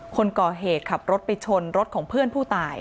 คนก่อเหตุขับรถไปชนรถของเพื่อนผู้ตาย